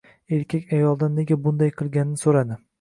Erkak ayoldan nega bunday qilganini so‘radi.